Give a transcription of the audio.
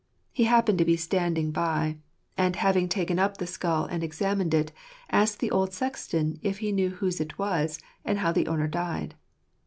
He happened to be standing by ; and having taken up the skull, and examined it, he asked the old sexton if he knew whose it was, and how the owner died.